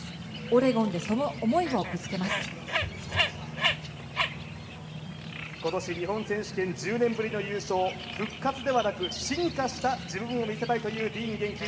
オレゴンで、その思いをぶつけます今年、日本選手権１０年ぶりの優勝、復活ではなく進化した自分を見せたいというディーン元気。